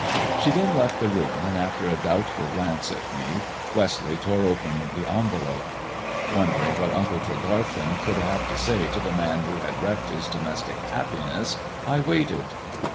She then left the room, and after a doubtful glance at me, Westleigh tore open the envelope. Wondering what Uncle Tregarthen could have to say to the man who had wrecked his domestic happiness, I waited.